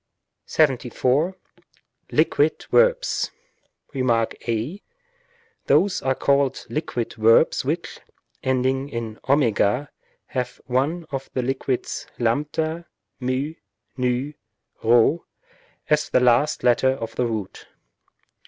XXXIV. § 74. Liquid verbs. Rem. a. Those are called liquid verbs which, ending in w, have one of the liquids (A, μ, ν, p) as the last letter of the root.